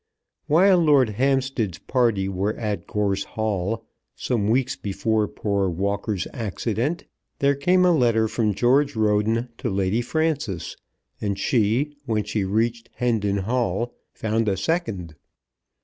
While Lord Hampstead's party were at Gorse Hall, some weeks before poor Walker's accident, there came a letter from George Roden to Lady Frances, and she, when she reached Hendon Hall, found a second.